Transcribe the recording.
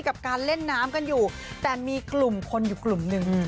กับการเล่นน้ำกันอยู่แต่มีกลุ่มคนอยู่กลุ่มหนึ่ง